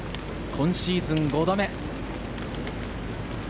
今シーズン５度目。